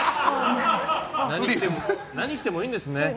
何着てもいいんですね。